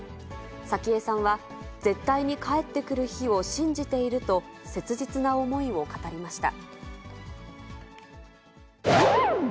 早紀江さんは絶対に帰ってくる日を信じていると、切実な思いを語りました。